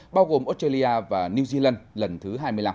bao gồm australia và new zealand lần thứ hai mươi năm